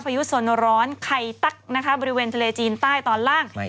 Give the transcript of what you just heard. ยุสนร้อนไข่ตั๊กนะคะบริเวณทะเลจีนใต้ตอนล่าง